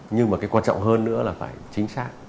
nhưng mà cái quan trọng hơn nữa là phải chính xác